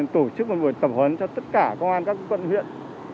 tổ chức một buổi tập huấn cho tất cả công an các quận huyện